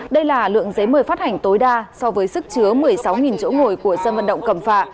đây là lượng giấy mời phát hành tối đa so với sức chứa một mươi sáu chỗ ngồi của sân vận động cầm phạ